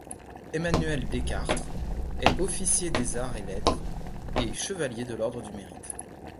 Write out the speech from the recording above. Emmanuel Dechartre est Officier des Arts et Lettres et Chevalier de l'Ordre du Mérite.